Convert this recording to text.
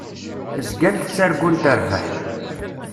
Zgant ttargunt rrbeḥ.